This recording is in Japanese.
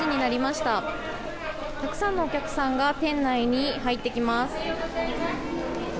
たくさんのお客さんが店内に入ってきます。